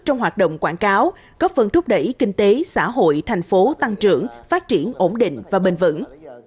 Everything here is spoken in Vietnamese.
trong hoạt động quảng cáo góp phần thúc đẩy kinh tế xã hội thành phố tăng trưởng phát triển ổn định và bền vững